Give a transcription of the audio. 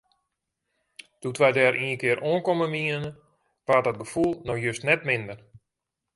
Doe't wy dêr ienkear oankommen wiene, waard dat gefoel no just net minder.